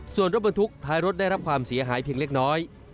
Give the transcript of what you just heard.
ส่วนรถบรรทุกท้ายรถได้รับความเสียหายเพียงเล็กน้อย